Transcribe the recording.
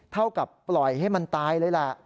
เท่ากับปล่อยให้มันตายเลยแหละ